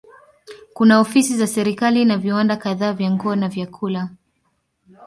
Kuna ofisi za serikali na viwanda kadhaa vya nguo na vyakula.